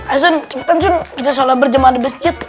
ayo kita sholat berjemaah di masjid